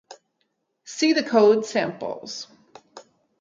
See the code samples